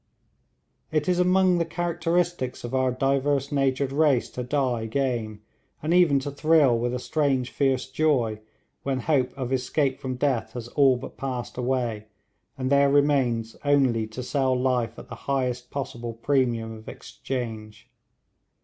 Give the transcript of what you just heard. It is among the characteristics of our diverse natured race to die game, and even to thrill with a strange fierce joy when hope of escape from death has all but passed away and there remains only to sell life at the highest possible premium of exchange.